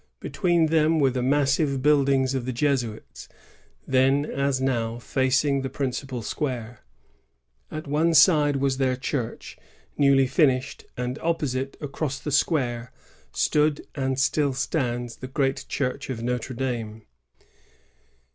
Between them were the massive buildings of the Jesuits, then as now facing the principal square. At one side was their church, newly finished; and opposite, across the square, stood and still stands the great church of Notre Dame.